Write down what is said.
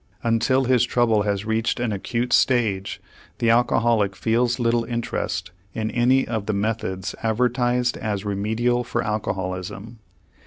Until his trouble has reached an acute stage, the alcoholic feels little interest in any of the methods advertised as remedial for alcoholism.